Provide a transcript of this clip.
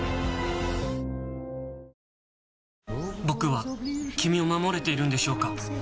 僕は君を守れているんでしょうか？